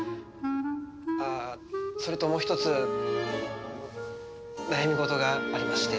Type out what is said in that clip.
ああそれともう一つ悩みごとがありまして。